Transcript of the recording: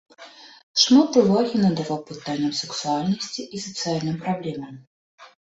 Шмат увагі надаваў пытанням сексуальнасці і сацыяльным праблемам.